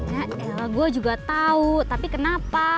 ya gue juga tahu tapi kenapa